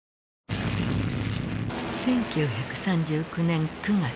１９３９年９月。